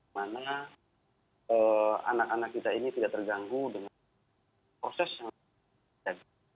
mana anak anak kita ini tidak terganggu dengan proses yang terjadi